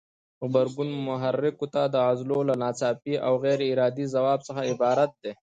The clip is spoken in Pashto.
غبرګون محرکو ته د عضلو له ناڅاپي او غیر ارادي ځواب څخه عبارت دی.